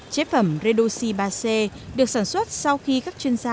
chế phẩm redoxi ba c được sản xuất sau khi các chuyên gia